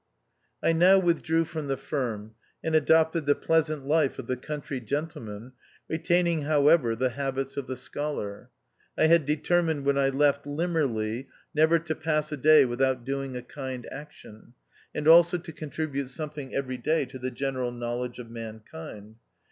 I now withdrew from the firm, and adopted the pleasant life of the country gentleman, retaining, however, the habits of the scholar. I had determined when I left Limmerleigh never to pass a day without doing a kind action ; and also to contribute THE OUTCAST. 257 something every day to the general know ledge of mankind.